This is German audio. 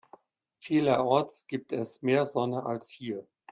Vielerorts gibt es mehr Sonne als hier.